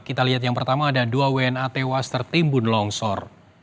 kita lihat yang pertama ada dua wna tewas tertimbun longsor